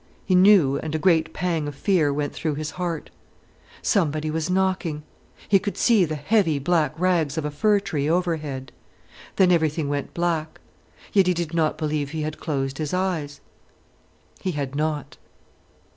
He knew, and a great pang of fear went through his heart. Somebody was knocking. He could see the heavy, black rags of a fir tree overhead. Then everything went black. Yet he did not believe he had closed his eyes. He had not.